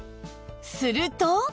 すると